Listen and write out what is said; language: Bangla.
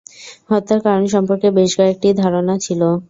হত্যার কারণ সম্পর্কে বেশ কয়েকটি ধারণা ছিল।